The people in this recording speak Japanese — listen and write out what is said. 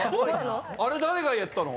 あれ誰が言ったの？